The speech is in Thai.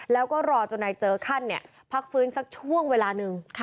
แล้วก็รอจนนายเจอขั้นพักฟื้นสักช่วงเวลาหนึ่ง